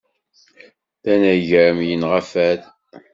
D anagem, yinɣa fad.